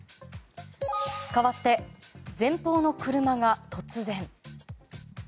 かわって前方の車が突然。